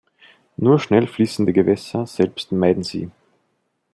Nur schnell fließende Gewässer selbst meiden sie.